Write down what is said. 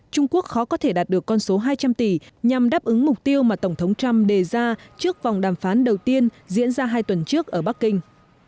trung quốc khó có thể đạt được con số hai trăm linh tỷ nhằm đáp ứng mục tiêu mà tổng thống trump đề ra trước vòng đàm phán đầu tiên diễn ra hai tuần trước ở bắc kinh